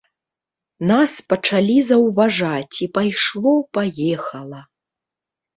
Нас пачалі заўважаць і пайшло-паехала.